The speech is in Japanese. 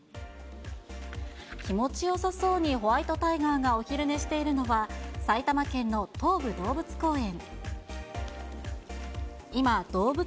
気持ちよさそうにホワイトタイガーがお昼寝しているのは、埼玉県の東武動物公園。